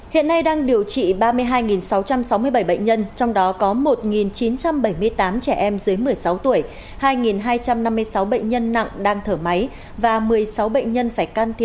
hãy đăng ký kênh để nhận thông tin nhất